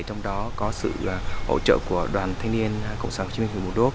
trong đó có sự hỗ trợ của đoàn thanh niên cộng sản hồ chí minh hiệp hồ đốc